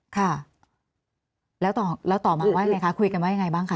ค่ะแล้วต่อมาว่าไงคะคุยกันว่ายังไงบ้างคะ